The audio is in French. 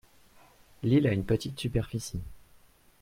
L’île a une petite superficie.